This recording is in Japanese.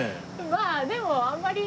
まあでもあんまり。